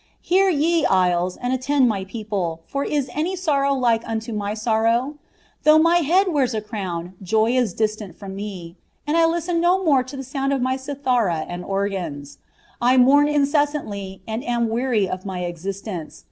Hear, ye isles, and attend my people, for is any wBow like unto my sorrow ? Though my head wears a crown, joy is Anut fmm me, and 1 listen no more to the sound of my cithara' and sifBiu. I mourn ineeasantly, end am weary of my existence.